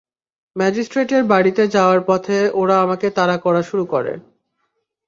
Magistrate এর বাড়িতে যাওয়ার পথে ওরা আমাকে তাড়া করা শুরু করে।